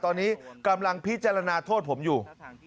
ตอนนี้กำลังพิจารณาโทษผมอยู่